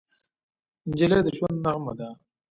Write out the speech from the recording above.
نجلۍ د ژوند نغمه ده.